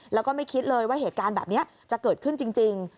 แล้วก็ไม่คิดเลยว่าเหตุการณ์แบบนี้จะเกิดขึ้นจริง